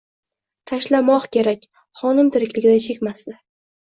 Tashlamoq kerak. Xonim tirikligida chekmasdi.